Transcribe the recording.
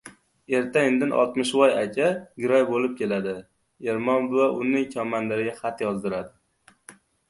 Erta-indin Oltmishvoy aka giroy bo‘lib keladi. Ermon buva uning komandiriga xat yozdiradi.